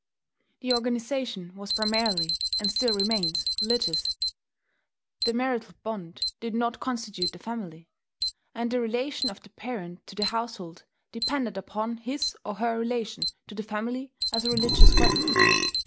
The organization was primarily, and still remains, religious: the marital bond did not constitute the family; and the relation of the parent to the household depended upon his or her relation to the family as a religious body.